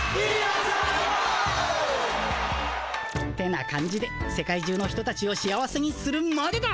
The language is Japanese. てな感じで世界じゅうの人たちを幸せにするまでだ。